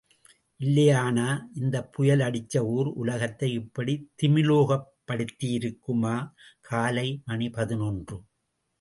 இல்லையானா, இந்தப் புயல் அடிச்சு ஊர் உலகத்தை இப்படி திமிலோகப் படுத்தியிருக்குமா? காலை மணி பதினொன்று.